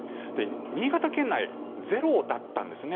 新潟県内、ゼロだったんですね。